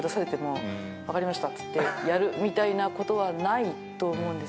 っつってやるみたいなことはないと思うんですよ。